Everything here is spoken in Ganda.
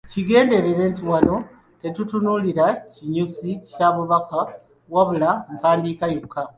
Kigenderere nti wano tetutunuulira kinyusi kya bubaka wabula mpandiika yokka.